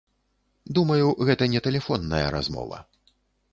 Думаю, гэта не тэлефонная размова.